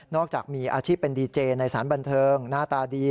อกจากมีอาชีพเป็นดีเจในสารบันเทิงหน้าตาดี